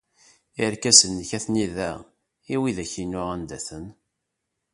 Irkasen-nnek atni da. I widak-inu anda-ten?